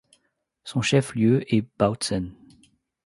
Son chef lieu est Bautzen.